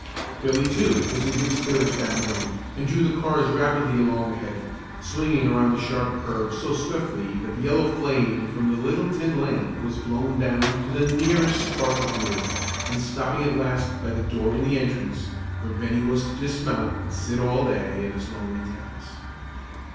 Billy, too, was in good spirits that morning, and drew the cars rapidly along the heading, swinging around the sharp curves so swiftly that the yellow flame from the little tin lamp was blown down to the merest spark of blue; and stopping at last by the door in the entrance, where Bennie was to dismount and sit all day at his lonely task.